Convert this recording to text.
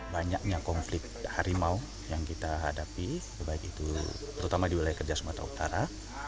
banyaknya konflik harimau yang kita hadapi itu terutama di wilayah kerja sumatera utara